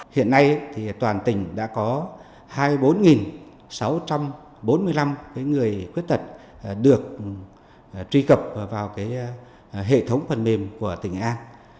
hiện nay toàn tỉnh đã có hai mươi bốn sáu trăm bốn mươi năm người khuyết tật được truy cập vào hệ thống phần mềm của tỉnh an